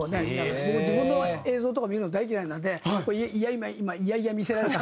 僕自分の映像とか見るの大嫌いなので今嫌々見せられた。